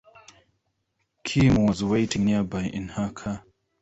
Kim was waiting nearby in her car.